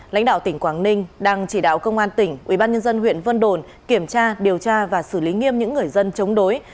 lãnh đạo tỉnh quảng ninh đang chỉ đạo công an tỉnh ubnd huyện vân đồn kiểm tra điều tra và xử lý nghiêm những người dân chống đối